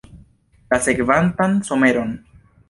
La sekvantan someron?